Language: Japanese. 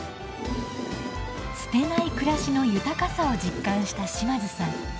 捨てない暮らしの豊かさを実感した島津さん。